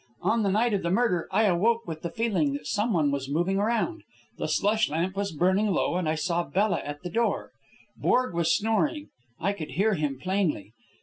On the night of the murder I awoke with the feeling that some one was moving around. The slush lamp was burning low, and I saw Bella at the door. Borg was snoring; I could hear him plainly.